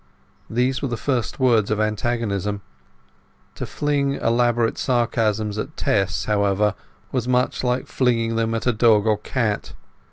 These were the first words of antagonism. To fling elaborate sarcasms at Tess, however, was much like flinging them at a dog or cat.